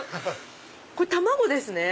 これ卵ですね。